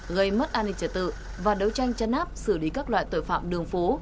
gây mất an ninh trật tự và đấu tranh chấn áp xử lý các loại tội phạm đường phố